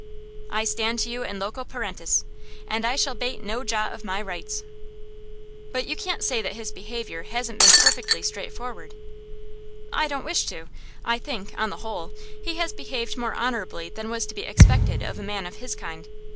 I stand to you in loco parentis, and I shall bate no jot of my rights.' 'But you can't say that his behaviour hasn't been perfectly straightforward.' 'I don't wish to. I think, on the whole, he has behaved more honourably than was to be expected of a man of his kind.